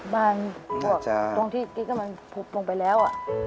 บ้านตรงที่กำลังพบลงไปแล้ว